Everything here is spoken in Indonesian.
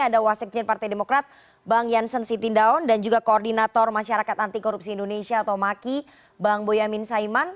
ada wasikjen partai demokrat bang jansen sitindaon dan juga koordinator masyarakat anti korupsi indonesia atau maki bang boyamin saiman